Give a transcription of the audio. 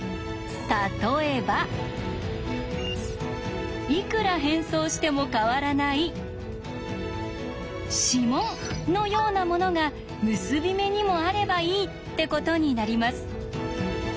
例えばいくら変装しても変わらない「指紋」のようなものが結び目にもあればいいってことになります。